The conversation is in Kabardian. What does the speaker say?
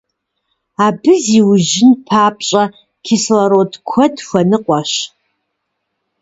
Абы зиужьын папщӀэ, кислород куэд хуэныкъуэщ.